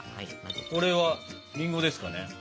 これはりんごですかね。